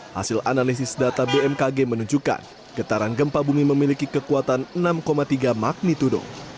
hasil analisis data bmkg menunjukkan getaran gempa bumi memiliki kekuatan enam tiga magnitudo